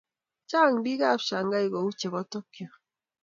chang biikab Shangai kou chebo Tokyo